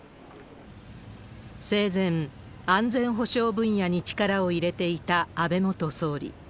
生前、安全保障分野に力を入れていた安倍元総理。